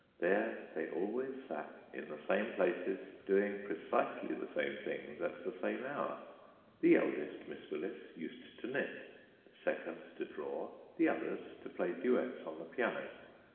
There they always sat, in the same places, doing precisely the same things at the same hour. The eldest Miss Willis used to knit, the second to draw, the two others to play duets on the piano.